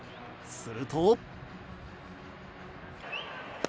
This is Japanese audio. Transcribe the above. すると。